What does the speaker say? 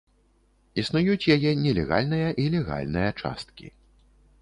Існуюць яе нелегальная і легальная часткі.